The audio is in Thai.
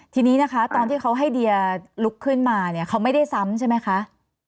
ทีนี้นะคะตอนที่เขาให้เดียลุกขึ้นมาเนี่ยเขาไม่ได้ซ้ำใช่ไหมคะ